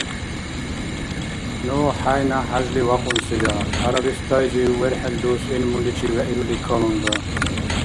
Ну хӀяйна хӀяжли вякьунсира, ГӀярабистайзив верхӀел дус гӀилмуличи вегӀирули калунра.